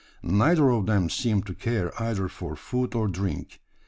Neither of them seemed to care either for food or drink.